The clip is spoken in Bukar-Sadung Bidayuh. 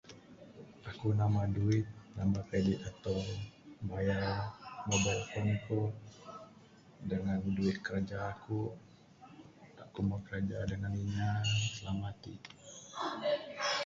Aku nambah duit, nambah kredit ato bayar mobile phone ku dangan duit kiraja aku. Aku meh kiraja dangan inya silama ti.